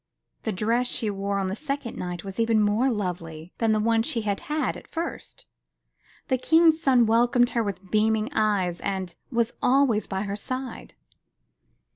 The dress she wore on the second night was even more lovely than the one she had had at first. The King's son welcomed her with beaming eyes and was . always by her side.